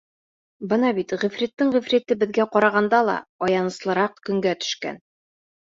— Бына бит ғифриттең ғифрите беҙгә ҡарағанда ла аяныслыраҡ көнгә төшкән!